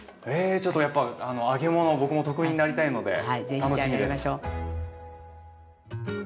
ちょっとやっぱ揚げ物僕も得意になりたいので楽しみです。